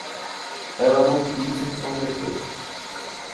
Ela não quis se intrometer.